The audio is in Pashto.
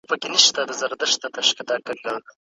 که د ښوونې کیفیت ښه وي، نو ماشومانو ته دفعی سوغات دی.